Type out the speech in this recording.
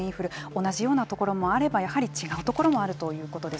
同じようなところもあればやはり違うところもあるということです。